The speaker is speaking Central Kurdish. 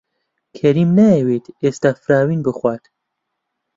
کەریم نایەوێت ئێستا فراوین بخوات.